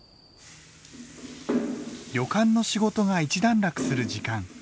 旅館の仕事が一段落する時間。